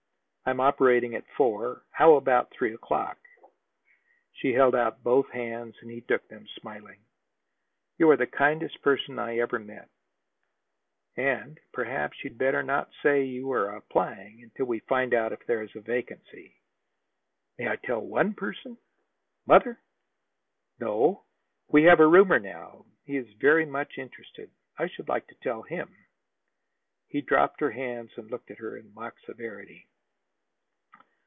I'm operating at four. How about three o'clock?" She held out both hands, and he took them, smiling. "You are the kindest person I ever met." "And perhaps you'd better not say you are applying until we find out if there is a vacancy." "May I tell one person?" "Mother?" "No. We we have a roomer now. He is very much interested. I should like to tell him." He dropped her hands and looked at her in mock severity.